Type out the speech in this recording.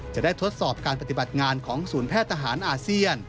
ทดสอบการปฏิบัติงานของศูนย์แพทย์ทหารอาเซียน